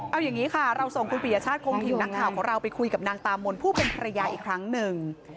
เอาอย่างนี้ค่ะเราส่งคุณปียชาติคงถิ่นนักข่าวของเราไปคุยกับนางตามนผู้เป็นภรรยาอีกครั้งหนึ่ง